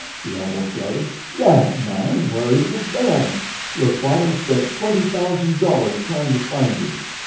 he almost shouted. "Gad, man! where have you been? Your father's spent twenty thousand dollars trying to find you."